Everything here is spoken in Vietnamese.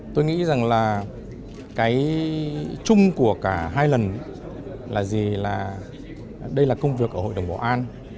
tôi nghĩ rằng là cái chung của cả hai lần là gì là đây là công việc ở hội đồng bảo an